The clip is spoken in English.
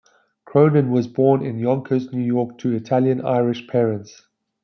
Cronin was born in Yonkers, New York to Italian-Irish parents.